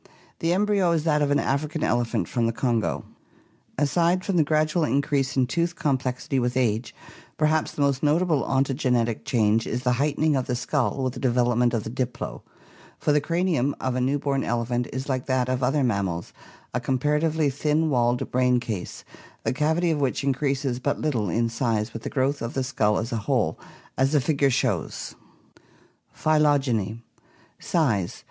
The embryo is that of an African elephant from the Kongo. Aside from the gradual increase in tooth complexity with age, perhaps the most notable ontogenetic change is the heightening of the skull with the development of the diploe, for the cranium of a new born elephant is like that of other mammals, a comparatively thin walled brain case, the cavity of which increases but little in size with the growth of the skull as a whole, as the figure shows (Fig. 194). Phytogeny Size.